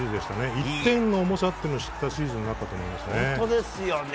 １点の重さを知ったシリーズになったと思いますね。